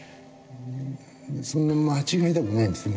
そんな間違いでもないんですね